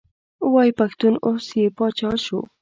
وایي پښتون اوس یې پاچا شو.